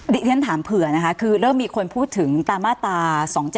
ที่ฉันถามเผื่อนะคะคือเริ่มมีคนพูดถึงตามมาตรา๒๗๒